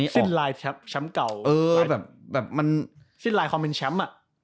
สิ้นลายแชมป์เก่าแบบมันสิ้นลายความเป็นแชมป์